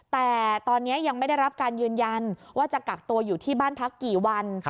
แต่ตอนนี้ยังไม่ได้รับการยืนยันว่าจะกักตัวอยู่ที่บ้านพักกี่วัน